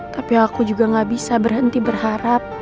tapi aku juga gak bisa berhenti berharap